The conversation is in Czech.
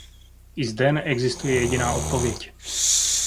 I zde neexistuje jediná odpověď.